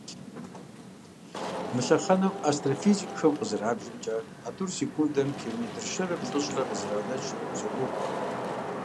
Мы лъэхъэнэм, астрофизикхэм къызэрабжамкIэ, а тIур секундэм километри щэрэ плIыщIыр къызэранэкIыу зэхуокIуэ.